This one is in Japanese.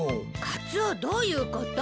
カツオどういうこと？